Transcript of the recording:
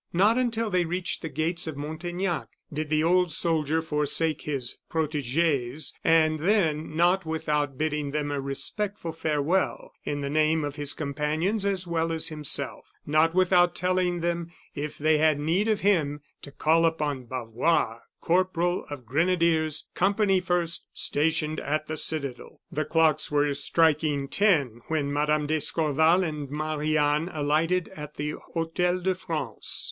Not until they reached the gates of Montaignac did the old soldier forsake his protegees, and then, not without bidding them a respectful farewell, in the name of his companions as well as himself; not without telling them, if they had need of him, to call upon Bavois, corporal of grenadiers, company first, stationed at the citadel. The clocks were striking ten when Mme. d'Escorval and Marie Anne alighted at the Hotel de France.